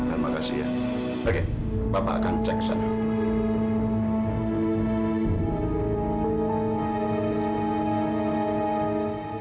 terima kasih ya oke bapak akan cek satu